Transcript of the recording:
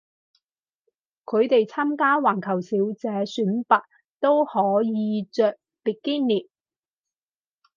佢哋參加環球小姐選拔都可以着比基尼